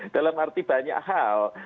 dalam arti banyak hal